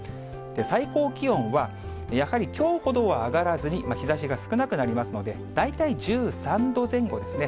最高気温は、やはりきょうほどは上がらずに、日ざしが少なくなりますので、大体１３度前後ですね。